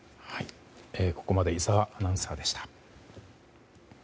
ここまで井澤アナウンサーでした。